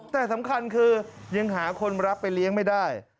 แต่สำคัญคือยังหาคนรับไปเลี้ยงไม่ได้